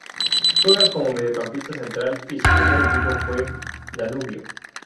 Juega como mediocampista central y su primer equipo fue Danubio.